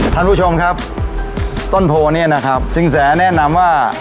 ท่านผู้ชมครับต้นโพเนี่ยนะครับสินแสแนะนำว่า